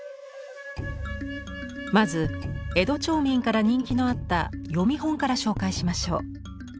まず江戸町民から人気のあった読み本から紹介しましょう。